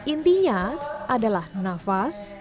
intinya adalah nafas